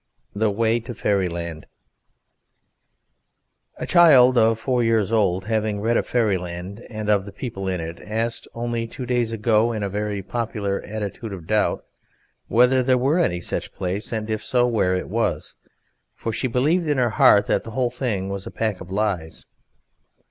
THE WAY TO FAIRYLAND A child of four years old, having read of Fairyland and of the people in it, asked only two days ago, in a very popular attitude of doubt, whether there were any such place, and, if so, where it was; for she believed in her heart that the whole thing was a pack of lies.